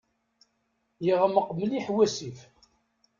Yeɣmeq mliḥ wasif.